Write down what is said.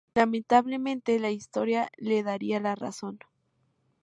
Lamentablemente la historia le daría la razón.